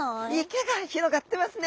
池が広がってますね！